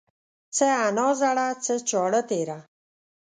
څه انا زړه ، څه چاړه تيره.